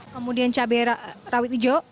kemudian cabai rawit hijau